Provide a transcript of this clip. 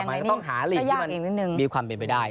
มันก็ต้องหาลีกที่มันมีความเป็นไปได้